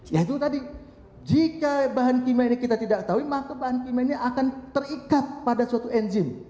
ya itu tadi jika bahan kimia ini kita tidak tahu maka bahan kimia ini akan terikat pada suatu enzim